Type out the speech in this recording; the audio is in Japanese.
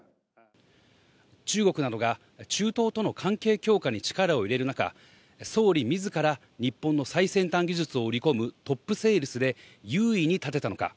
中国などが中東との関係強化に力を入れる中、総理自ら日本の最先端技術を売り込むトップセールスで優位に立てたのか。